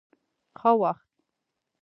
ښه وخت.